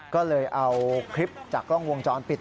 ก็เลยเอาคลิปจากกล้องวงจรปิด